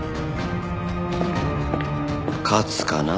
勝つかな？